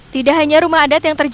tidak hanya rumah adat yang terjadi